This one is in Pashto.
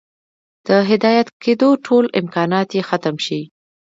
د هدايت كېدو ټول امكانات ئې ختم شي